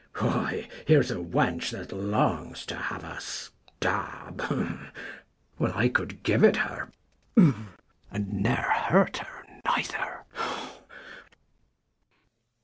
Why, here's a wench that longs to have a stab. Well, I could give it her, and ne'er hurt her neither.